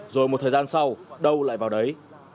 rồi một thời gian sau đâu lại vào đấy